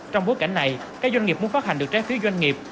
trong bối cảnh này các doanh nghiệp muốn phát hành được trái phiếu doanh nghiệp